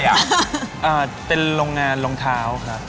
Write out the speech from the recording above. เป็นโรงงานรองเท้าครับ